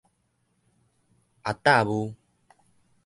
阿罩霧